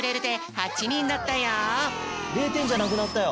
０てんじゃなくなったよ。